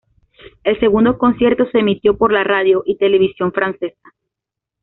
El segundo concierto se emitió por la radio y televisión francesa.